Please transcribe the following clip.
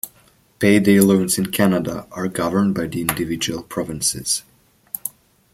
Payday loans in Canada are governed by the individual provinces.